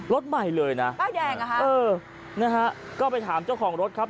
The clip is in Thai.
รถใหม่เลยนะป้ายแดงอ่ะฮะเออนะฮะก็ไปถามเจ้าของรถครับ